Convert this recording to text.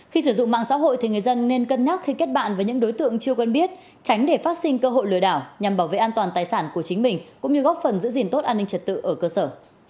khi sử dụng mạng xã hội thì người dân nên cân nhắc khi kết bạn với những đối tượng chưa quen biết tránh để phát sinh cơ hội lừa đảo nhằm bảo vệ an toàn tài sản của chính mình cũng như góp phần giữ gìn tốt an ninh trật tự ở cơ sở